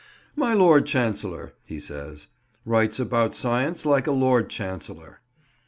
"My Lord Chancellor," he said, "writes about Science like a Lord Chancellor."